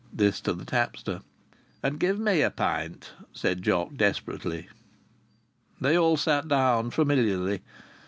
(This to the tapster.) "And give me a pint," said Jock, desperately. They all sat down familiarly.